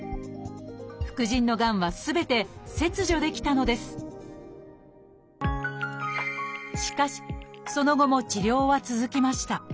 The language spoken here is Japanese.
副腎のがんはすべて切除できたのですしかしその後も治療は続きました。